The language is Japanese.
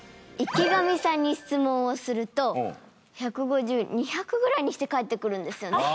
池上さんに質問をすると１５０２００くらいにして帰ってくるんですよね。